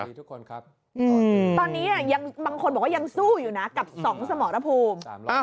ตอนนี้บางคนบอกว่ายังสู้อยู่นะกับสองสมรพูม